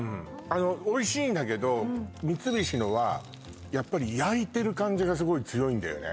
おいしいんだけど、三菱のは、やっぱり焼いている感じがすごい強いんだよね。